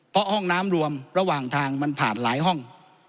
เพราะห้องน้ำรวมระหว่างทางมันผ่านหลายห้อง